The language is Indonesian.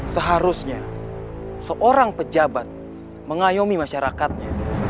seharusnya seorang pejabat mengayomi masyarakatnya